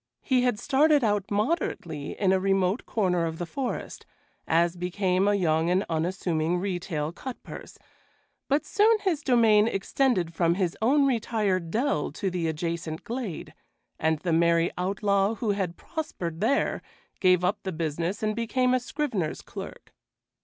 He had started out moderately in a remote corner of the forest, as became a young and unassuming retail cut purse, but soon his domain extended from his own retired dell to the adjacent glade, and the merry outlaw who had prospered there gave up the business and became a scrivener's clerk.